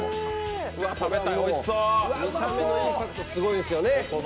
見た目のインパクトすごいですよね。